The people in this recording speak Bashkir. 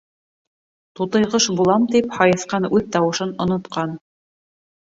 Тутыйғош булам тип, һайыҫҡан үҙ тауышын онотҡан.